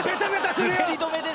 滑り止めでした！